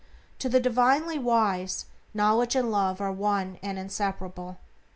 To the divinely wise, knowledge and Love are one and inseparable.